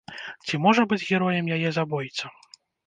Ці ж можа быць героем яе забойца?